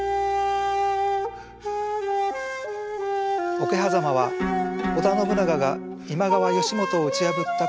桶狭間は織田信長が今川義元を打ち破った古戦場です。